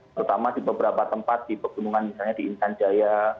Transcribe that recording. terutama di beberapa tempat di pegunungan misalnya di insanjaya